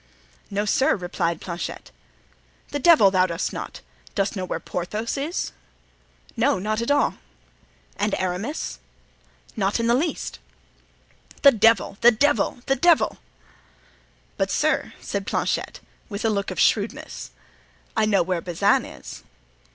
"No, sir," replied Planchet. "The devil thou dost not! Dost know where Porthos is?" "No—not at all." "And Aramis?" "Not in the least." "The devil! the devil! the devil!" "But, sir," said Planchet, with a look of shrewdness, "I know where Bazin is."